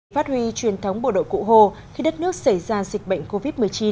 phát huy truyền thống bộ đội cụ hồ khi đất nước xảy ra dịch bệnh covid một mươi chín